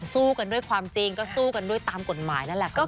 สู้กันด้วยความจริงก็สู้กันด้วยตามกฎหมายนั่นแหละค่ะ